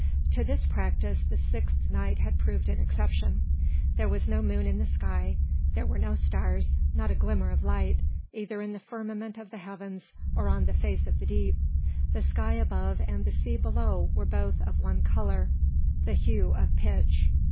To this practice the sixth night had proved an exception. There was no moon in the sky; there were no stars; not a glimmer of light, either in the firmament of the heavens or on the face of the deep. The sky above and the sea below were both of one colour, the hue of pitch.